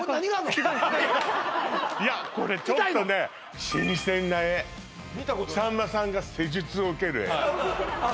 いやこれちょっとね新鮮な画さんまさんが施術を受ける画あ